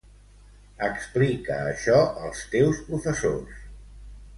Explica això als teus professors.